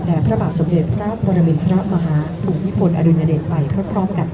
และพระบาทสมเด็จพระพลบินทรัพย์มหาถูกยิพลอรุณเดชน์ไปเพื่อพรอบกันค่ะ